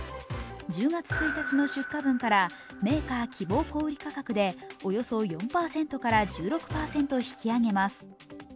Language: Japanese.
１０月１日の出荷分からメーカー希望小売価格でおよそ４％から１６％引き上げます。